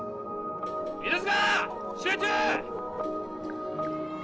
犬塚集中！